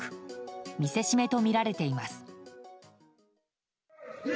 見せしめとみられています。